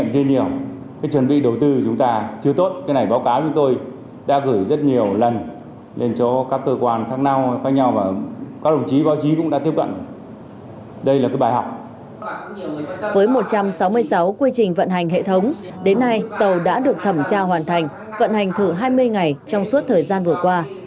với một trăm sáu mươi sáu quy trình vận hành hệ thống đến nay tàu đã được thẩm tra hoàn thành vận hành thử hai mươi ngày trong suốt thời gian vừa qua